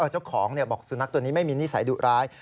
เจ้าของบอกสุนัขตัวนี้ไม่มีนิสัยดุร้าย